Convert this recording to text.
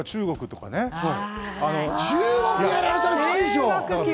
中国やられたら厳しいでしょ。